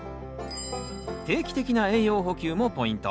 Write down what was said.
定期的な栄養補給もポイント。